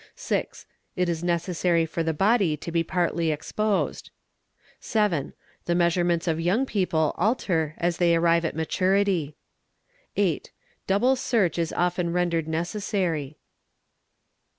|_ 6. It is necessary for the body to be partly exposed. 7. The measurements of young people alter as they arrive at maturity. _. 8. Double search is often rendered necessary.